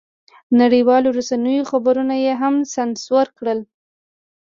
نړیوالو رسنیو خبرونه یې هم سانسور کړل.